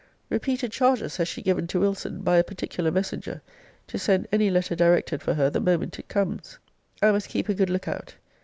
Repeated charges has she given to Wilson, by a particular messenger, to send any letter directed for her the moment it comes. I must keep a good look out.